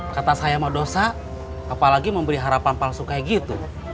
kata saya mau dosa apalagi memberi harapan palsu kayak gitu